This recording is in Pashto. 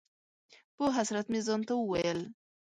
په حسرت مې ځان ته وویل: